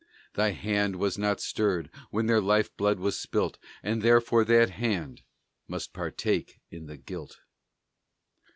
Thy hand was not stirred, when their life blood was spilt; And therefore that hand must partake in the guilt.